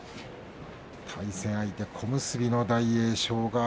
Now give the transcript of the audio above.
対戦相手小結の大栄翔。